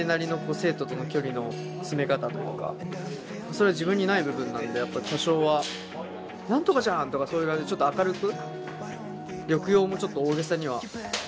それは自分にない部分なのでやっぱ多少は「何とかじゃん！」とかそういう感じでちょっと明るく。